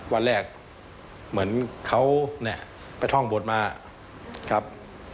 วันแรกเหมือนเขาเนี่ยไปท่องบทมาครับ